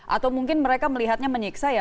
atau mungkin mereka melihatnya menyiksa ya